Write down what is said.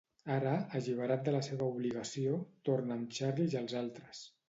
Ara, alliberat de la seva obligació, torna amb Charlie i els altres.